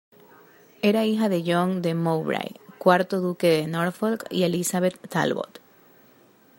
Era hija de John de Mowbray, cuarto duque de Norfolk, y Elizabeth Talbot.